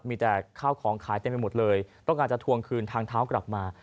มีแต่ข้าวของขายเต็มไปหมดเลยต้องการจะทวงคืนทางเท้ากลับมา